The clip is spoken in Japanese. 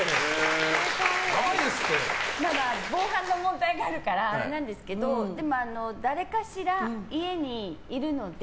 防犯の問題があるからあれなんですけどでも、誰かしら家にいるので。